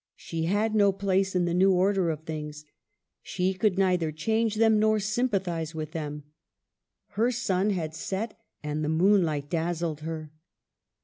She had no place in the new order of things ; she could neither change them nor sympathize with them. Her sun had set, and the moonlight dazzled her.